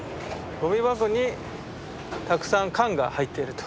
ゴミ箱にたくさん缶が入っていると。